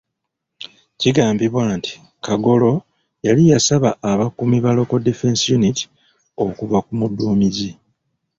Kigambibwa nti Kagolo yali yasaba abakuumi ba Local Defence Unity okuva ku muduumizi.